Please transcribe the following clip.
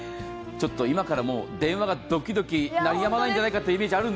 今から電話がドキドキ、鳴りやまないんじゃないかと。